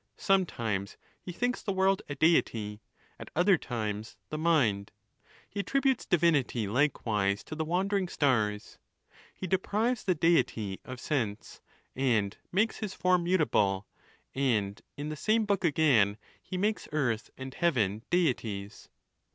Sometimes he thinks the world a Deity, at other times the mind. He attributes divinity likewise to the wandering stars. He deprives the Deity of sense, and makes his form mutable; and, in the same book again, he makes earth and heaven Deities.